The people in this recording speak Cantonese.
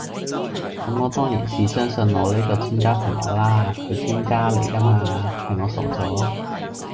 咁我當然是相信我呢個專家朋友啦，佢專家黎架嗎，係我傻左